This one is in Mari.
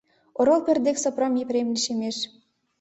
Орол пӧрт дек Сопром Епрем лишемеш.